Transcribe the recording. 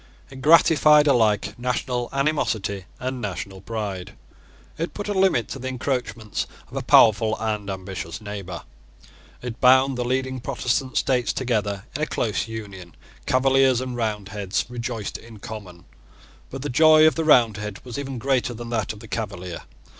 It gratified alike national animosity and national pride. It put a limit to the encroachments of a powerful and ambitious neighbour. It bound the leading Protestant states together in close union. Cavaliers and Roundheads rejoiced in common: but the joy of the Roundhead was even greater than that of the Cavalier.